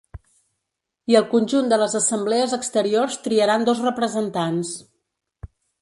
I el conjunt de les assemblees exteriors triaran dos representants.